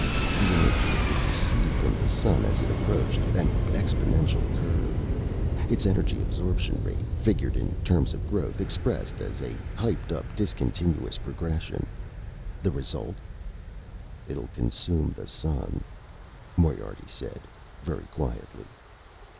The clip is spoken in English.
The energy it would receive from the Sun as it approached, an exponential curve. Its energy absorption rate, figured in terms of growth, expressed as a hyped up discontinuous progression. The result "It'll consume the Sun," Moriarty said, very quietly.